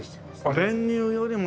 あっ練乳よりも。